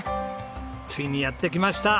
ついにやって来ました！